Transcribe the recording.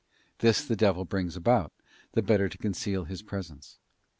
This the devil brings about, the better to conceal his presence.